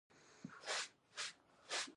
پښتانه دې د خپلې ژبې د ژغورلو مبارزه پیل کړي.